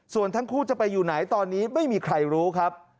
ส่วนทั้งคู่จะไปอยู่ไหนตอนนี้ไม่มีใครรู้ครับ